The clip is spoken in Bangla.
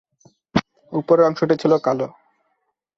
উপরের অংশটি ছিল কালো।